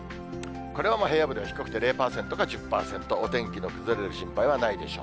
これは平野部で低くて、０％か１０％、お天気の崩れる心配はないでしょう。